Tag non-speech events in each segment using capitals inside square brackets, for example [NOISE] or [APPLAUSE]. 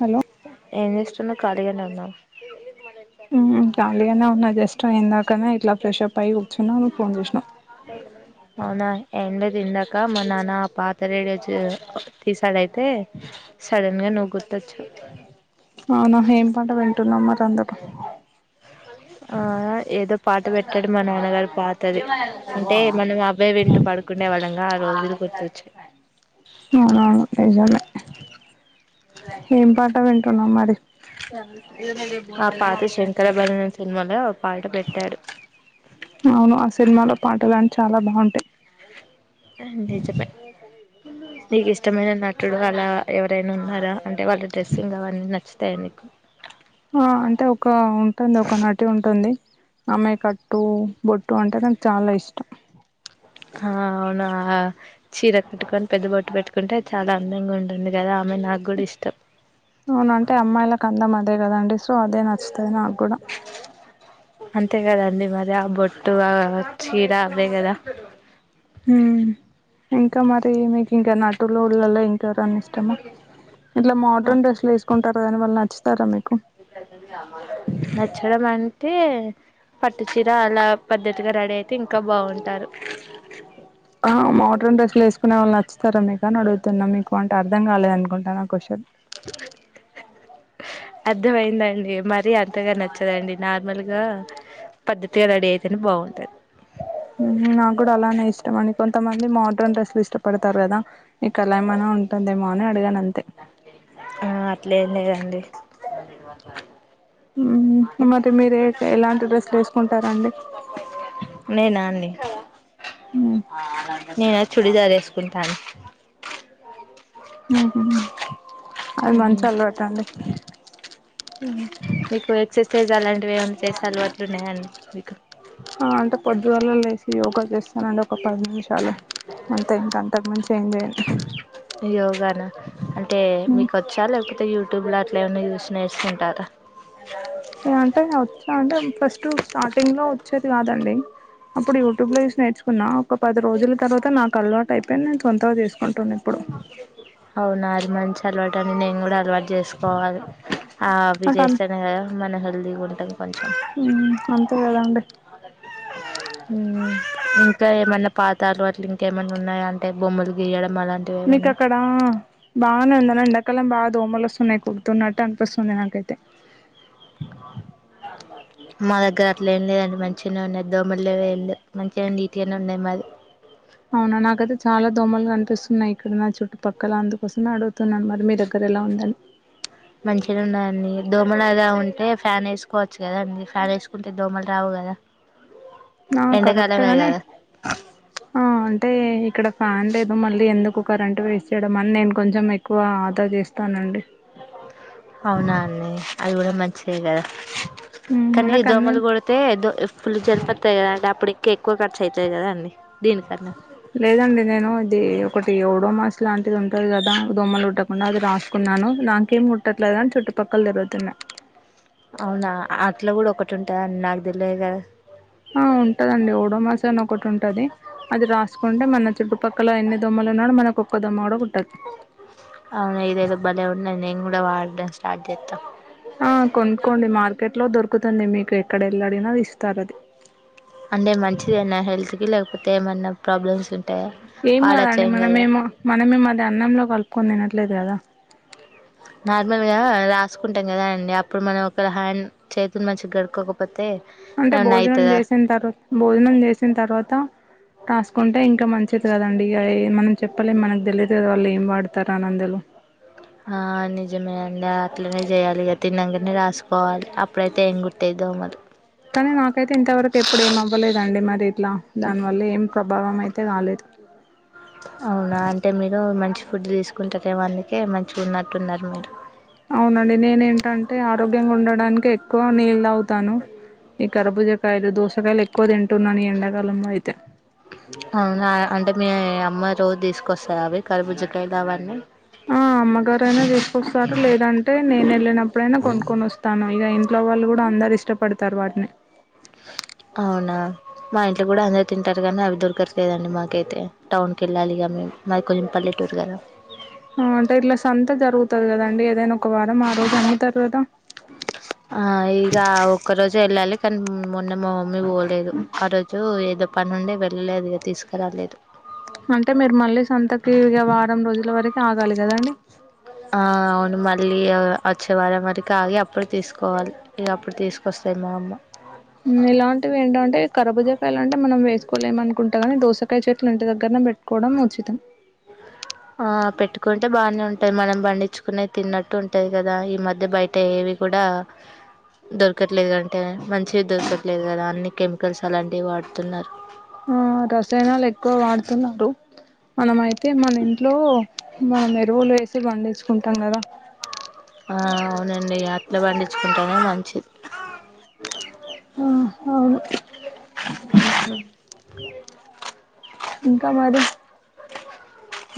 Hello ఎన్నిస్తున్న కఖళీగానే ఉన్న ఉమ్ ఖాళీగానే ఉన్నా జస్ట్ యిన్దాకనే ఇట్లా ఫ్రెష్ అప్ అయి్ కూర్చున్నా నువ్ ఫోన్ చేసినావ్ అ అవునా ఎండది ఇందాకా మా నాన్న పాత రేడియోచూ తీసాడయితే సడన్గా నువ్ గుర్తొచ్చావ్ అవునా ఏం పంట వింటున్నాం మరి అందరూ ఆ ఏదో పాట పెట్టాడు మా నాన్నగారు పాతది అంటే మనం అబ్బాయి వింటూ పడుకునేే వాళ్ళంగా ఆ రోజులు గుర్తొచ్చి డు అవునవును నిజమే ఏం పాట వింటున్నావ్ మరి ఆ పాత శంకరభరణమ్ సినిమాలో పాట పెట్టారు అవును ఆ సినిమాలో పాటలుని చాలా బాగుంటాయి నిజమే నీకు ఇష్టమైన నటుడు అలా ఎవరైనా ఉన్నారా అంటే వాళ్ళ డ్రస్సింగ్ అవన్నీ నచ్చుతాయ నీకు ఆ అంటే ఒక ఉంటుంది ఒక నటి ఉంటుంది ఆమె కట్టు బొట్టు అంటే నాకు చాలా ఇష్టం హ అవునా ఆ చీర కట్టుకని పెద్ద బొటు పెట్టుకుంటే చాలా అందంగా ఉంటుంది కదా ఆమె నాకు కూడా ఇష్టం అవునంటే అమ్మాయిలకు అందం అదే కదండి సో అదే నచ్చుతది నాకు కూడా అంతే కదాండి మరి ఆ బొట్టు ఆ చీర అదే కదా ఇంకా మరి మీకు ఇంకా నటులో లలో ఇంకెవరు అని ఇష్టమా ఇలా మోడర్న్ డ్రెస్లు వేసుకుంటారు కాని వాళ్ళు నచ్చుతారా మీకు నచ్చడం అంటే పట్టు చీరా అలా పద్ధతిగా రెడీ అతే ఇంక్ ఆ మోడ్రన్ డ్రెస్లు వేస్ కునే వాళ్ నచ్చుతారా మీకు అడుతున్నా మీకు అంటే అర్థం కాలేదనుకుంట నా క్వశ్చన్ అర్థ అయిందండి మరీ అంతగా నచ్చదండి నార్మల్గా పద్ధతిగా రెడీ అయితేనే బాగుంటది నాకు కూడా అలానే ఇష్టం అని కొంతమంది మోడ్రన్ డ్రెస్సులు ఇష్టపడతారు కదా ఇకలా ఏమైనా ఉంటుందేమో అని అడిగాను అంతే ఆ అట్లేమ్ లేదండి ఉమ్ మరి మీరే ఏ ఎలాంటి డ్రెస్సులు వేసుకుంటారండి. నేన చుడిదార్ వే సుకుంటాను ఉ హు అది మంచి అలవాటు అండి మీకు ఎక్సర్సైజ్ అలాంటివి ఏమన్నా చేసే అలవా ట్లున్నాయండి మీకు ఆ అంటే పొద్దుగల లేసి యోగా చేస్తానండి ఒక పది నిమిషాలు అంతే ఇంకా అంతకు మించి ఏం చేయను యోగానా అంటే మీకు వచ్చా లేకపోతే యూట్యూబ్లో అట్లా ఏమన్నా చూస్ నేర్చకుంటారా? అంటే వచ్చా అంటే ఫస్ట్ స్టార్టింగ్లో వచ్చేది కాదండి. అప్పుడు యూట్యూ లో చసి నేర్చుకున్నా ఒకది రోజుల తర్వాత నాకు అలవాటు అపోయి నేనుొంతగా చేసుకున్నాను అవునా అది మంచి అలవాటఅండి నేన్ కూడా అల్వాటు చేసుకోవాలి అ అవి నాకు చేస్తేనే కదా మనం హెల్తీగా ఉంటది కొంచెం హుమ్ అంతే కాదండి హుమ్ ఇంకా ఏమన్నా పాతాఅలవాట్లు ఇంకేమన్నా ఉన్నాయా అంటే బొమ్మలు గీయడం అలాంటివి ఏమన్నా మీకక్కడ బాగానే ఉంద ఎండాకాలం బా దోమసోస్తున్నాయ్ కుడుతున్నట్టు అన్పిస్తుంది నాకైతే మా దగ్గర అట్లే ఏం లేదండి మంచిగానే ఉన్నాయి. దోమలులేేవు ఏమో లెవ్ మంచిగానే నీటిగానే ఉన్నాది మాది. అవునా నాకైతే చాలా దోమలు కనిపిస్తున్నాయి. ఇక్కడ నా చుట్టుపక్కల అందుకోసమే అడుగుతున్నాను మరి మీ దగ్గర. ఎలా ఉందని మరి అలా ఉంటే ఫ్యాన్ వేసుకోవచ్చు కదా అండి ఫ్యాన్ వేసుకుంటే దోమలు రావు కదా నా కరెక్ట్గా ఎండాకాలమే కానీ కదా ఆ అంటే ఇక్కడ ఫ్యాన్ లేదు మళ్ళీ ఎందుకు కరెంట్ వేస్ట్ చేయడం అని నేను కొంచెం ఎక్కువ ఆదా చేస్తానండి. అవునా అండి అది కూడా మం దే కదా ఉమ్, కానీ నాకు అన్నీ దోమలు కొడితే దో ఫుల్ జలిపతది కదా అండి అప్పుటి కే ఎక్కువ ఖర్చతది కద అండి దీనికన్నా లేదండి నేను ఇది ఒకటి ఏడో మాస్ లాంటిది ఉంటది కదా దోమ్మలు కుట్టకుండా అది రాసుకున్నాను నాకేం కుట్టట్లేదు కని చుట్టుపక్కల తిరుగుతున్నాయి. అవునా అట్లా కూడా ఒకటి ఉంటాదని నాకు తెలువదు కదా ఆ ఉంటదండి ఓడోమాస్ అని ఒకటి ఉంటది అది రాసుకుంటే మన చుట్టుపక్ క్కల ఎన్ని దొమ్మలు ఉన్నా మనకు ఒక్క దొమ్మ కూడా కుట్టది అవున ఇదైదో బలే ఉన్నాది కూడా వాడడం స్టా ఆ కొనుకొండి మార్కెట్ లో దొరుకుతుంది మీకు ఎక్కడ వెళ్ళ అడిగినా అది ఇస్తారది అంటే మంచిదేనా హెల్త్ కి లేకపోతే ఏమన్నా ప్రాబ్లమ్స్ ఉ ఏం కదండి మనమేమో మనమే అది అన్నంలో కలుపుకొని తినట్లేదు కదా. నార్మల్ గా రాస్ చూసుకుంటాం కదా అండి అప్పుడు మనం ఒక హ్యాండ్ చేతుని మంచిగా కడుక్కోకపోతే అంటే భోజనం చేసిన తర్వా భోజనం చేసిన తర్వాత రాసుకుంటే ఇంకా మంచిది. కదండి ఇగ మనం చెప్పలేం మనకు తెలియదు వాళ్ళు ఏం వాడతారు అనిఅందులో ఆ నిజమే అండి అట్లనే చేయాలి ఇగ తిన్నా అన్నీ రాసుకోవాలి అప్పుడైతే ఎంగుట్టే దోమలు కానీ నాకైతే ఇంతవరకు ఎప్పుడు ఏమవ్వలేదండి, మరి ఇట్లా దానివల్ల ఏం ప్రభావం అయితే రాలేదు, అవునా అంటే మీరు మంచి ఫుడ్ తీసుకుంటరెమో అందుకే మంచిగా ఉన్నట్టున్నారు మీరు అవునండి నేనేంటంటే ఆరోగ్యంగా ఉండడానికి ఎక్కువ నీళ్లు తాగుతాను ఈ కరుబుజ కాయలు దోస్ కాయలు ఎక్కువ తింటున్నాను ఈ ఎండాకాలము అయితే, అవునా అంటే మీ అమ్మె రోజు తీసుకొస్తదా, అవి కరుబుజ్జకాయలు అవన్నీ ఆ అమ్మగారైనా తీసుకొస్తారు లేదంటే, నేను వెళ్ళినప్పుడైనా కొనుక్కొని వస్తాను, ఇక ఇన్ ఇంట్లో వాళ్ళు కూడా అందరు ఇష్టపడతారు, వాటిని [UNINTELLIGIBLE] అవునా మా ఇంట్లో కూడా అందరు తింటారు, కానీ అవి దొరకట్లేవు మాకైతే టౌన్కి వెళ్ళాలిగా మాది కొంచెం పల్లెటూరు కదా అంటే ఇట్లా సంత జరుగుతది. కదండి ఏదైనా ఒక వారం ఆ రోజు అమ్ముతారు కదా ఆ ఇగా ఒక్క రోజె వెళ్ళాలి కానీ మొన్న మ మ మమ్మీ పోలేదు ఆ రోజు ఏదో పని ఉండి వెళ్ళలేదు ఇగ తీసుకరాలేదు, అంటే మీరు మళ్ళీ సంతకి ఇగ వారం రోజుల వరకు ఆగాలి కదాండి, ఆ అవును మద్ ళ్ళీ ఆ వచ్చే వారం వరకి ఆగి అప్పుడు తీసుకోవాలి ఇగ అప్పుడు తీసుకొస్తది మా అమ్మ ఇలాంటివి ఏంటంటే కరుబుజాకాయలాంటే మనం వేస్ కోలేమనుకుంటాగానీ దోసకాయ చెట్లు ఇంటి దగ్గరనే పెట్టుకోవడం ఉచితం ఆ పెట్టుకుంటే బాగానే ఉంటాయ్, మనం పండించుకునే తిన్నట్టు ఉంటది కదా ఈ మధ్య బయట ఏవి కూడా దొరకట్లేదుండి అంటే మంచిగ దొరకట్లేదు కదా అన్ని కెమికల్స్ అలాంటివి వాడుతున్నారు. ఆ రసాయనాలు ఎక్కువ వాడుతున్నారు మనం అయితే మన ఇంట్లో మనం ఎరువులు వేసి పండిచ్చుకుంటాం కదా ఆ అవునండి అట్లా పండిచ్చుకుంటేనే మంచిది ఆ అవును [UNINTELLIGIBLE] ఇంకా మరి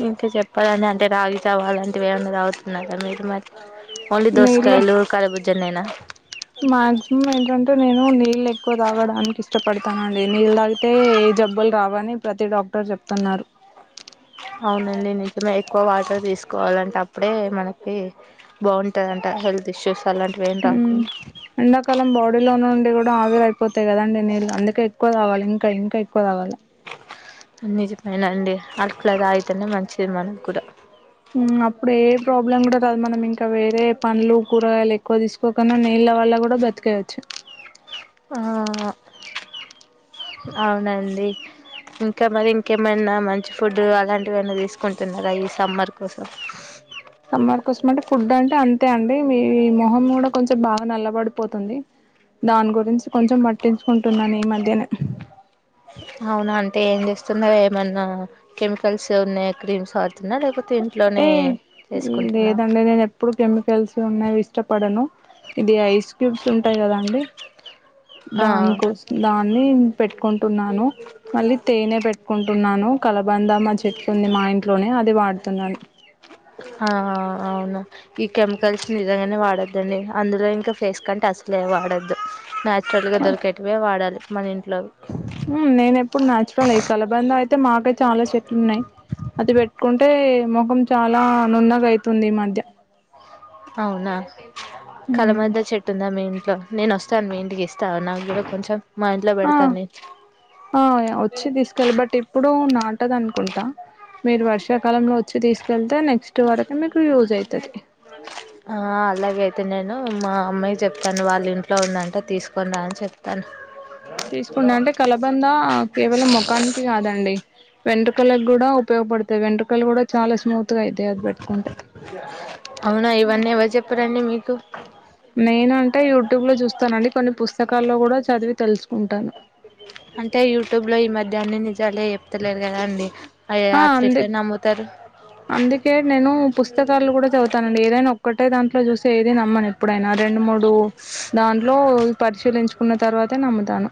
ఇంకా చెప్పాలండి అంటే రాగిజావా అలాంటివి ఏవన్నా తాగుతా న్నారా మీరు మరి ఓన్లీ నీళ్ళే దోసకాయలు కరిబుజ్జనేనా మాక్సిమం ఏంటంటే నేను నీళ్ళు ఎక్కువ తాగడానికి ఇష్టపడతానండి నీళ్ళ తాగితే ఏ జబ్బులు రావని ప్రతి డాక్ క్టర్ చెప్తున్నారు [UNINTELLIGIBLE] అవునండి నిజమే ఎక్కువ వాటర్ తీసుకోవాలంట అప్పుడే మనకి బాగుంటదంట హెల్త్ ఇష్యూస్ అలాంటివి ఏం ఉమ్ రాకుండా ఎండాకాలం బాడీ లో నుండి కూడా ఆవిర్ అయిపోతాయి కదండి నీళ్లు అందుకే ఎక్కువ తాగాలి ఇంకా ఇంకా ఎక్కువ తాగాలి నిజమే నండి అట్లా తాగితేనే మంచిది మనకు కూడా ఉమ్ అప్పుడు ఏ ప్రాబ్లం కూడా రాదు మనం ఇంకా వేరే పండ్లు కూరగాయలు ఎక్కువ తీసుకోకున్నా నే ళ్ళ వల్ల కూడా బతికేయచ్చు ఆ అవునండి ఇంకా మరి ఇంకేమన్నా మంచి ఫుడ్ అలాంటివి ఏవన్నా తీసుకుంటున్నారా ఈ సమ్మర్ కోసం సమ్మర్ కోసం అంటే ఫుడ్ అంటే అం తే అండి మీ మొహం కూడా కొంచెం బాగా నల్లపడిపోతుంది దాని గురించి కొంచెం పట్టించుకుంటున్నాను ఈ మధ్యనే అవునా అంటే ఏం చేస్తున్నావ్ ఏమన్నా కెమికల్స్ ఉన్నాయ క్రీమ్స్ వాడుతున్నా లేకపోతే ఇంట్లోనే ఏ చేసుకుంటున్నా లేదండి నేను ఎప్పుడు కెమికల్స్ ఉన్నవి ఇష్టపడను ఇది ఐస్ క్యూబ్స్ ఉంటాయి కదా అండి ఆ దాని కోసం దాన్ని పెట్టుకుంటున్నాను మళ్ళీ తేనె పెట్టుకుంటున్నా ను కలబందామ చెట్టు ఉంది మా ఇంట్లోనే అది వాడు ఆ అవును ఈ కెమికల్స్ నిజంగానే వాడద్దు అదండి అందులో ఇంకా ఫేస్ కంటే అసలే వాడొద్దు నాచురల్గా దొరికేటివే వాడాలి మన ఇంట్లోవి ఉమ్ నేను ఎప్పుడు నాచురల్ ఏ ఈ కలబంద అయితే మాకే చాలా చెట్లు ఉన్నాయి అది పెట్టుకుంటే ముఖం చాలా నున్నగా అయితుంది ఈ మధ్య అవునా కలబంద చెట్టుందా మీ ఇంట్లో నేను వస్తాను మీ ఇంటికి వస్తా ఇస్తావా నాకు కూడా కొంచెం మా ఇంట్లో పెడతా ఆ నే ఆ వచ్చి తీసుకెళ్ళి బట్ ఇప్పుడు నా ఉంటది అనుకుంటా మీరు వర్షాకాలంలో వచ్చి తీసుకెళ్తే నె ఫస్ట్ వరకు మీకు యూజ్ అవుతుది ఆ అలాగే అయితే నేను మా అమ్మాయి చెప్తాను వాళ్ళ ఇంట్లో ఉందంటే తీసుకొని రా అని చెప్తాను తీసుకొండి అంటే కలబంద కేవలం ముఖానికి కాదండి వెంట్రుకలకి కూడా ఉపయోగపడతాయి వెంట్రుకలు కూడా చాలా స్మూత్ గా అయితాయి అది పెట్టుకుంటే అవునా ఇవన్నీ ఎవరు చెప్పిర్రండి మీకు నేను అంటే యూట్యూబ్ లో చూస్తానండి కొన్ని పుస్తకాల్లో కూడా చదివి తెలుసుకుంటాను అంటే యూట్యూబ్లో ఈ [UNINTELLIGIBLE] చెప్తలేరు కదా అండి అయ్యో ఆ అట్లా ఎట్ల అందు నమ్ముతారు అందుకే నేను పుస్తకాలు కూడా చదువుతానండి ఏదైనా ఒక్కటి ఒకటే దాంట్లో చూసి ఏది నమ్మను ఎప్పుడైనా రెండు మూడు ఇప్పుడు దాంట్లో పరిశీలించుకున్న తర్వాతే నమ్ముతాను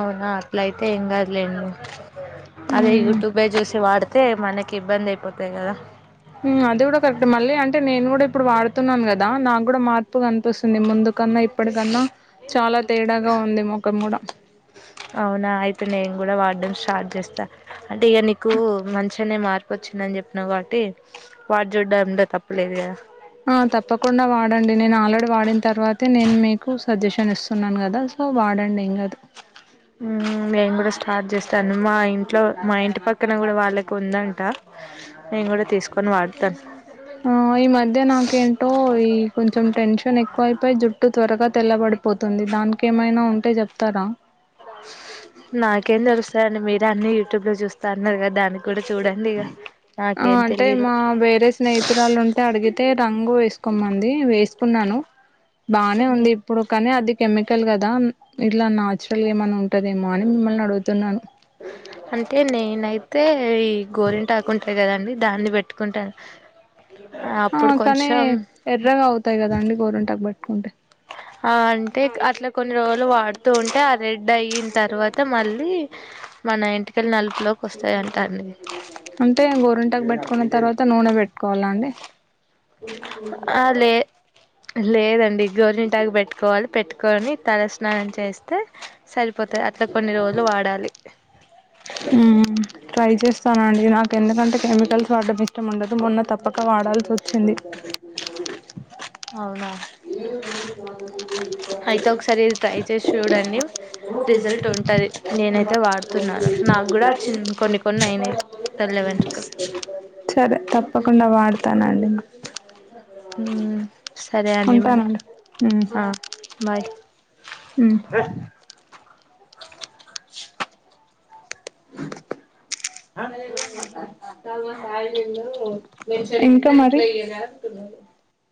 అవునా అట్లయితే ఏం కాదులేండి అదే హ్మ్ యూట్యూబే చూసి వాడితే మనకి ఇబ్బంది ఐపోత్ ఉమ్ అది గుడా కరెక్ట్ మళ్ళీ అంటే నేను గూడా ఇప్పుడు వాడుతున్నాను గదా నాకు గుడా మా త్ ప్పుగ కనిపిస్సుంది ముందు కన్నా ఇప్పటికన్నా చాలా తేడాగా ఉంది ముఖం గుడ ఔనా ఐతె నేన్ గుడా స్టార్ట్ చేస్తా అంటే ఇగ నీకు మంచినే మార్ ఒచ్చిందని చెప్పినవ్ గాబట్టి వాటి చూడంలో తప్పులేదు గద ఆ తప్పకుండ వాడండి నేను ఆల్రెడీ వాడిన తర్వాతే నేన్ మీకు సజెషన్ ఇస్తున్నాను గదా పూ వాడండి ఏం గదు ఉమ్ నేన్ గుడా స్టార్ట్ చేస్తాను మా ఇంట్లో మ ఇంటి పక్కన గుడా వాళ్ళకి ఉందంట నేన్ గుడా తీస్కొని వాడతాను ఆ ఈ మధ్య నాకేంటో ఈ కొంచెం టెన్షన్ ఎక్కువై వై జుట్టు త్వరగా తెల్లబడిపోతుంది దాన్కేమైనా ఉంటే జెప్తారా నాకేం తెలుస్తదండి మీరే అన్ని యూట్యూబ్ లో జూస్త అన్నారు గదా దాన్ డిగా అ అంటే మా వేరే స్నేహితురాలుంటే అడిగితే రంగు వేస్కోమంది వేస్ కున్నాను బానే ఉంది ఇప్పుడు కని అది కెమికల్ గదా ఇట్లా నాన్చురల్ ఏమన్నా ఉంటదేమో అని మిమ్మల్ని అడుగుతున్నాను అంటె నేనై ఐతే ఈ గోరింటాకుంటది గదండి దాన్ని పెట్టుకుంటా ఆ అప్పుడు కానీ కొంచం ఎర్రగా అవుతాయి కదండి గోరింటాకు పెట్టుకుంటే ఆ అంటే అట్లా కొన్ని రోజులు వాడుతూ ఉంటే ఆ రెడ్ ఐ తర్వాత మళ్ళీ మన ఇంటికలు నలుపులోకి ఒస్తాయి అంటా అంటే గోరింటాకు పెట్టుకున్న తర్వాత నూనె పెట్టుకోవాలా అండి అ లేే లేదండి గోరింటాక్ పెట్టుకోవాలి పెట్టుకోని తలస్నానం చేస్తే సరిపోతది అట్ల కొన్ని రోజులు వాడాలి ఉమ్ ట్రై చేస్తానండి నాకు ఎందుకంటే కెమికల్స్ వాడం ఇష్టం ఉండదు మొన్న తప్పక వాడాల్సి ఒచ్చింది ఔన ఐతే ఒకసారి ఇది ట్రై చేసి చూడండి రిజల్ట్ ఉంటది నేనైతే వాడుతున్నాను నాకు కూడా చిన్న కొన్ని కొన్ని అయినాయి తెల్ల వెంట్రుకలు సరే తప్పకుండ వాడుత్ త్తనండి ఉమ్ సరే అండి మరి ఉంటానండి అ బయ్ ఉమ్ ఇంక మరి కిరాక్ ఉంది.